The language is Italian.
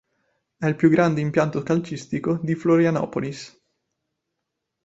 È il più grande impianto calcistico di Florianópolis.